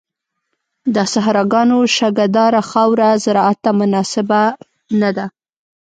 د صحراګانو شګهداره خاوره زراعت ته مناسبه نه ده.